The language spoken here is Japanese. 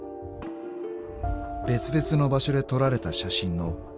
［別々の場所で撮られた写真の奇妙な一致］